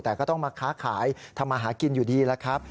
แต่ก็ต้องมาค้าขายทำมาหากินอยู่ดีแล้วครับ